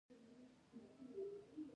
هغې وویل خو زه به تل له تا سره یم.